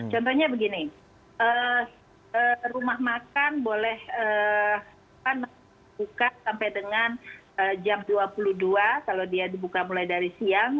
contohnya begini rumah makan boleh buka sampai dengan jam dua puluh dua kalau dia dibuka mulai dari siang